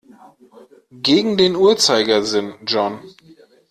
Gegen den Uhrzeigersinn, John.